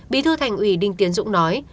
bí thư thành ủy đinh tiến dũng nói